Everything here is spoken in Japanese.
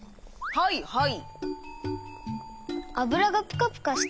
はいはい。